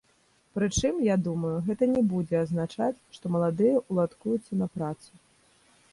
Прычым, я думаю, гэта не будзе азначаць, што маладыя ўладкуюцца на працу.